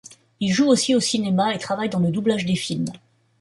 Il joue aussi au cinéma et travaille dans le doublage des films.